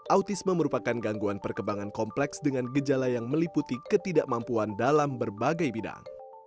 autisme merupakan gangguan perkembangan kompleks dengan gejala yang meliputi ketidakmampuan dalam berbagai bidang